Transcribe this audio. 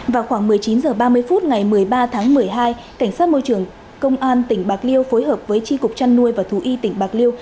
vào khoảng một mươi chín h ba mươi phút ngày một mươi ba tháng một mươi hai cảnh sát môi trường công an tỉnh bạc liêu phối hợp với tri cục trăn nuôi và thú y tỉnh bạc liêu